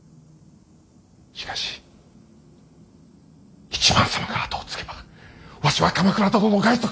しかし一幡様が跡を継げばわしは鎌倉殿の外祖父。